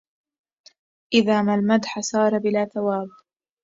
إذا ما المدح سار بلا ثواب